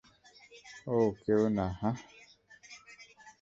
ওহ, কেউ না, হাহ?